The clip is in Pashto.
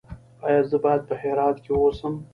ایا زه باید په هرات کې اوسم؟